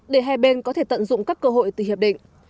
để hai bên có thể tận dụng các cơ hội từ hiệp định